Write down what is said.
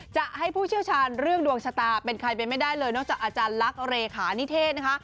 จะให้ผู้เชี่ยวชาญเรื่องดวงชะตาเป็นใครไปไม่ได้เลยนอกจากอาจารย์ลักษณ์เลขานิเทศนะคะ